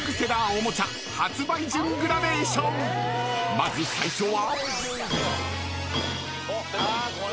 ［まず最初は］